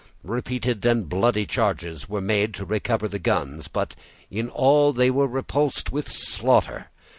Repeated and bloody charges were made to recover the guns, but in all they were repulsed with slaughter.